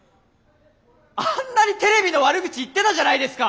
あんなにテレビの悪口言ってたじゃないですか。